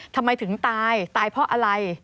ทำไมถึงตายตายเพราะอะไร